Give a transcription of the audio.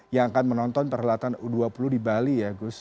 yang akan menonton perhelatan u dua puluh di bali ya gus